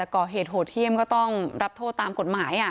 ก่อเหตุโหดเยี่ยมก็ต้องรับโทษตามกฎหมาย